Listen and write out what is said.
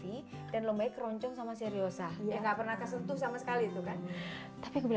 hai dan lomba keroncong sama seriosa nggak pernah kesentuh sama sekali itu kan tapi gue